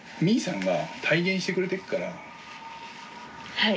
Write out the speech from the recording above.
はい。